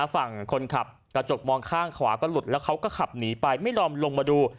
ฝั่งคนขับกระจกมองข้างขวาก็หลุดแล้วเขาก็ขับหนีไปไม่ยอมลงมาดู